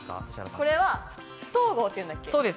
これは不等号っていうんだっけ？